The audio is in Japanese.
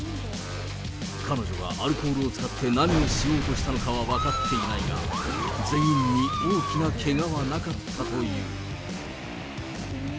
彼女がアルコールを使って何をしようとしたのかは分かっていないが、全員に大きなけがはなかったという。